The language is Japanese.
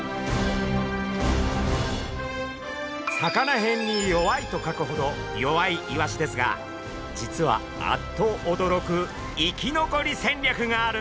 魚へんに「弱い」と書くほど弱いイワシですが実はあっとおどろく生き残り戦略があるんです。